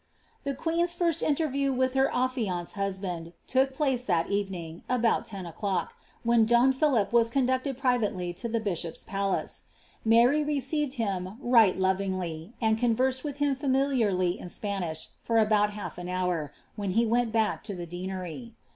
The quren's (irat interview with her affianced husband took place I evening, about ten o'clock, when don Philip was conducled privabtlf ' to the bishop's palace. Mary received him " right lovingly," and con» versed wilh him faradiarly in Spanish, for about half an houri when bv. went bank to the deanery.'